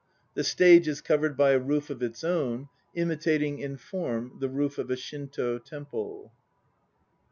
The stage is covered by a roof of its own, imitating in form the roof of a Shintd temple.